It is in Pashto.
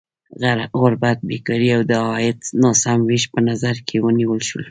غربت، بېکاري او د عاید ناسم ویش په نظر کې ونیول شول.